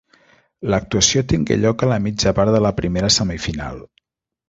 L'actuació tingué lloc a la mitja part de la primera semifinal.